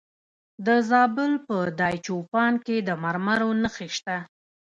د زابل په دایچوپان کې د مرمرو نښې شته.